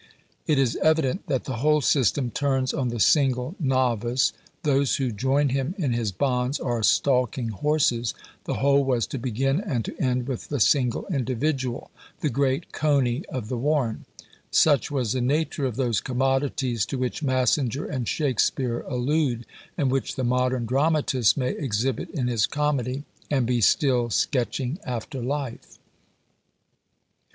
It is evident that the whole system turns on the single novice; those who join him in his bonds are stalking horses; the whole was to begin and to end with the single individual, the great coney of the warren. Such was the nature of those "commodities" to which Massinger and Shakspeare allude, and which the modern dramatist may exhibit in his comedy, and be still sketching after life.